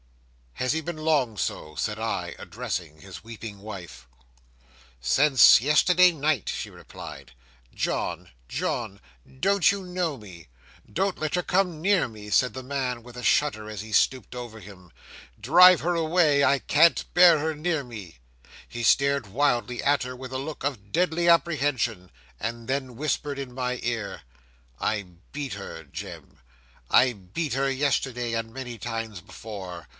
'"Has he been long so?" said I, addressing his weeping wife. '"Since yesterday night," she replied. "John, John, don't you know me?" '"Don't let her come near me," said the man, with a shudder, as she stooped over him. "Drive her away; I can't bear her near me." He stared wildly at her, with a look of deadly apprehension, and then whispered in my ear, "I beat her, Jem; I beat her yesterday, and many times before.